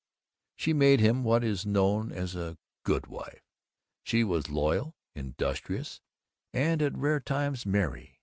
She made him what is known as a Good Wife. She was loyal, industrious, and at rare times merry.